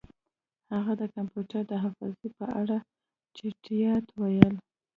هغه د کمپیوټر د حافظې په اړه چټیات ویل